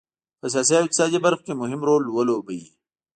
په سیاسي او اقتصادي برخو کې مهم رول ولوبوي.